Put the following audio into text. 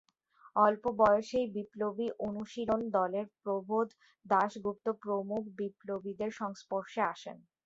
অল্প বয়সেই বিপ্লবী অনুশীলন দলের প্রবোধ দাশগুপ্ত প্রমুখ বিপ্লবীদের সংস্পর্শে আসেন।